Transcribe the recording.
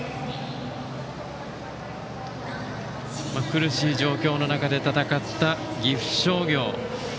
苦しい状況の中で戦った岐阜商業。